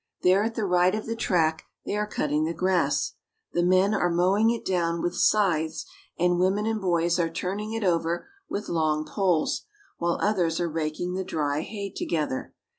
There at the right of the track they are cutting the grass; the men are mowing it down with scythes, and women and boys are turning it over with long poles, while others are raking the dry hay together.